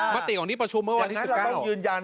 มติของนี้ประชุมเมื่อวานที่๑๙ยังไงเราต้องยืนยัน